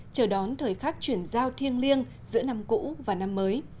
chờ đón thời khắc chuyển giao thiêng liêng giữa năm cũ và năm mới